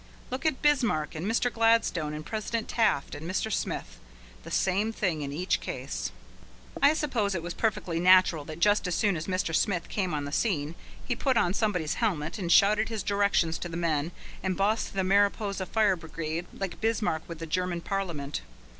Look at Bismarck and Mr. Gladstone and President Taft and Mr. Smith, the same thing in each case. I suppose it was perfectly natural that just as soon as Mr. Smith came on the scene he put on somebody's helmet and shouted his directions to the men and bossed the Mariposa fire brigade like Bismarck with the German parliament.